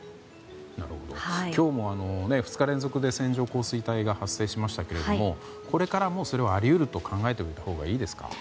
今日も２日連続で線状降水帯が発生しましたがこれからも、それはあり得ると考えておいたほうがいいですか？